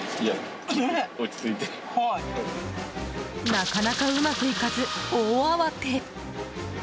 なかなか上手くいがず大慌て。